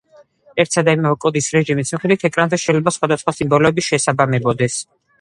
ერთსა და იმავე კოდის რეჟიმის მიხედვით ეკრანზე შეიძლება სხვადასხვა სიმბოლოები შეესაბამებოდეს.